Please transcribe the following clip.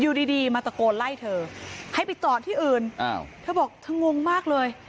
อยู่ดีมาตะโกนไล่เธอให้ไปจอดที่อื่นเธอบอกเธองงมากเลย